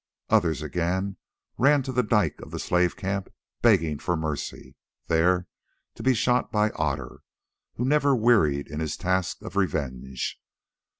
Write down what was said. Others again ran to the dike of the slave camp begging for mercy, there to be shot by Otter, who never wearied in his task of revenge.